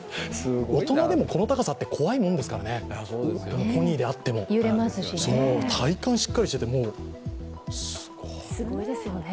大人でもこの高さって怖いものですからね、ポニーであっても体幹しっかりしてて、すごい。